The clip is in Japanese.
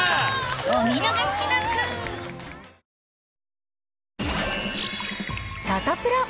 お見逃しなくサタプラ。